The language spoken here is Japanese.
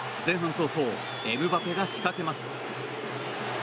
早々エムバペが仕掛けます。